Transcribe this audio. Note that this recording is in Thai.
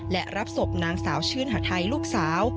และรับศพนางสาวชื่นหาทัยลูกสาว